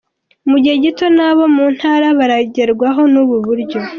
Mu gihe gito n’abo mu ntara baragerwaho n’ubu buryo.